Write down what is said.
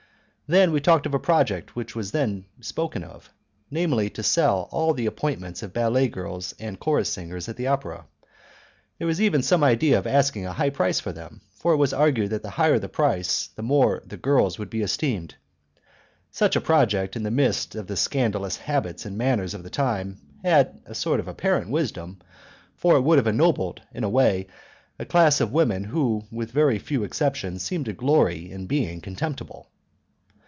Then we talked of a project which was then spoken of, namely to sell all the appointments of ballet girls and of chorus singers at the opera. There was even some idea of asking a high price for them, for it was argued that the higher the price the more the girls would be esteemed. Such a project, in the midst of the scandalous habits and manners of the time, had a sort of apparent wisdom; for it would have ennobled in a way a class of women who with very few exceptions seem to glory in being contemptible.